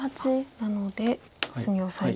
なので隅をオサえて。